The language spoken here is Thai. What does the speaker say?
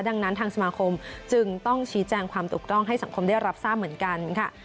ดังนั้นทางสมาคมจึงต้องชี้แจงความถูกต้องให้สังคมได้รับทราบเหมือนกันค่ะ